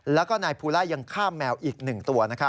แล้วก็นายภูล่ายังข้ามแมวอีกหนึ่งตัว